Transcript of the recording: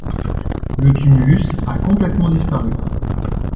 Le tumulus a complètement disparu.